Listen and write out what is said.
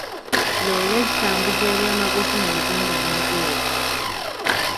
Loore zitambuza ebyamaguzi mu Uganda n'ebweru.